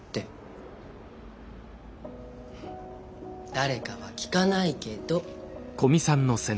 誰かは聞かないけど。